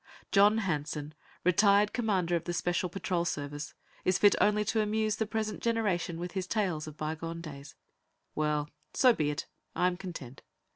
John Hanson, retired Commander of the Special Patrol Service, is fit only to amuse the present generation with his tales of bygone days. Well, so be it. I am content.